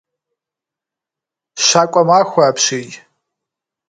Щакӏуэмахуэ апщий.